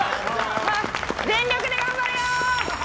全力で頑張れよ！